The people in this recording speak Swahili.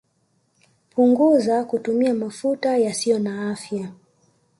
Punguzaa kutumia mafuta yasiyo na afya